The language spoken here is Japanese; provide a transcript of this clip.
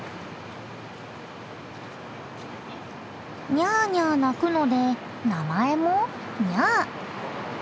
ニャアニャア鳴くので名前もニャア。